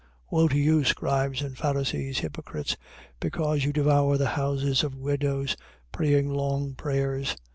23:14. Woe to you scribes and Pharisees, hypocrites, because you devour the houses of widows, praying long prayers.